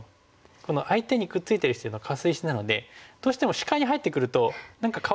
この相手にくっついてる石っていうのはカス石なのでどうしても視界に入ってくると何かかわいそうなんで。